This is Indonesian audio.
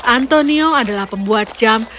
antonio adalah pembuat jam